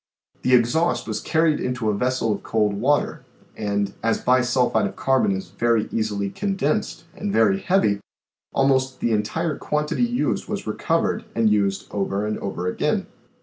The exhaust was carried into a vessel of cold water and as bi sulphide of carbon is very easily condensed and very heavy, almost the entire quantity used was recovered and used over and over again.